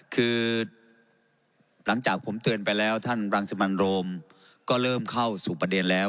คือหลังจากผมเตือนไปแล้วท่านรังสิมันโรมก็เริ่มเข้าสู่ประเด็นแล้ว